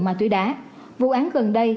mà túi đá vụ án gần đây